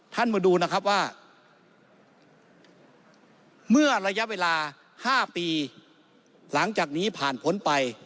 มาดูนะครับว่าเมื่อระยะเวลา๕ปีหลังจากนี้ผ่านพ้นไป